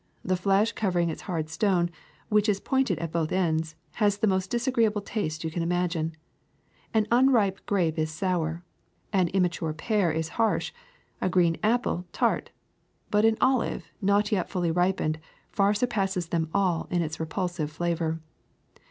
The flesh covering its hard stone, which is pointed at both ends, has the most disagreeable taste you can imagine. An unripe grape is sour, an immature pear harsh, a green apple tart ; but an olive not yet fully ripened far surpasses them all in its repulsive flavor.